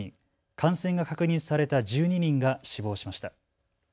感染が確認された１２人が死亡しました。